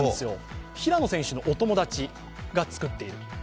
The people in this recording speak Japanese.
平野選手のお友達が作っている。